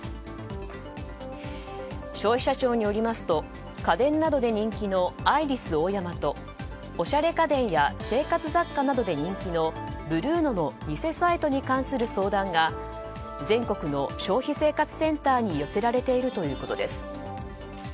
消費者庁によりますと家電などで人気のアイリスオーヤマとおしゃれ家電や生活雑貨などで人気のＢＲＵＮＯの偽サイトに関する相談が全国の消費生活センターに寄せられているということです。